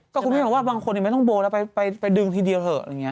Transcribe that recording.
ก็คุณแม่คือแบบว่าบางคนเลยไม่ต้องโบแล้วไปดึงทีเดียวเถอะอะไรเงี้ย